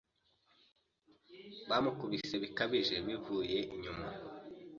Bamukubise bikabije bivuye inyuma